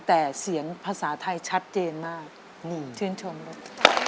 แต่เสียงภาษาไทยชัดเจนมากนี่ชื่นชมด้วย